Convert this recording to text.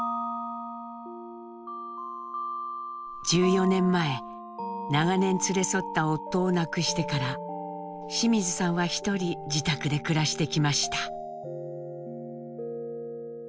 １４年前長年連れ添った夫を亡くしてから清水さんはひとり自宅で暮らしてきました。